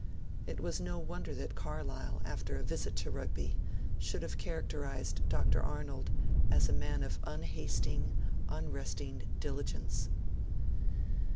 It was no wonder that Carlyle, after a visit to Rugby, should have characterised Dr. Arnold as a man of 'unhasting, unresting diligence'.